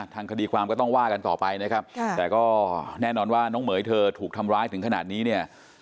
ทางคดีความก็ต้องว่ากันต่อไปนะครับแต่ก็แน่นอนว่าน้องเหม๋ยเธอถูกทำร้ายถึงขนาดนี้เนี่ย